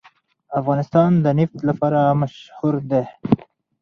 افغانستان د نفت لپاره مشهور دی.